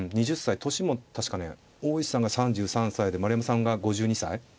年も確かね大石さんが３３歳で丸山さんが５２歳。